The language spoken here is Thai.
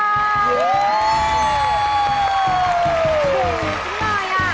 จิ๊บน้อยอ่ะ